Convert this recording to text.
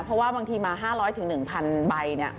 เพราะว่าบางทีมา๕๐๐ถึง๑๐๐๐ใบเนี่ย